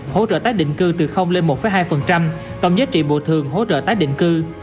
hỗ trợ tác định cư từ lên một hai tổng giá trị bộ thường hỗ trợ tác định cư